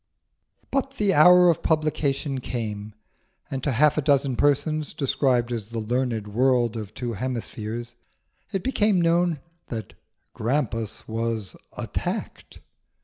But the hour of publication came; and to half a dozen persons, described as the learned world of two hemispheres, it became known that Grampus was attacked.